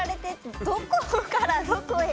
どこからどこへ？